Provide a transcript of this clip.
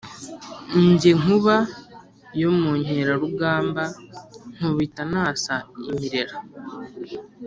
Jye nkuba yo mu nkerarugamba nkubita nasa imirera